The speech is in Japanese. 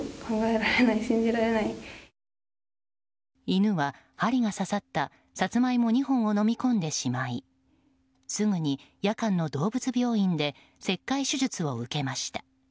犬は針が刺さったサツマイモ２本を飲み込んでしまいすぐに夜間の動物病院で切開手術を受けました。